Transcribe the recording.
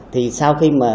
thì sau khi mà